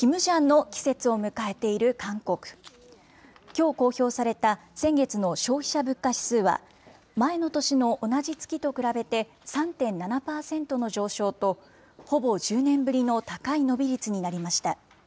きょう公表された先月の消費者物価指数は、前の年の同じ月と比べて、３．７％の上昇と、ほぼ１０年ぶりの高い伸び率になりました。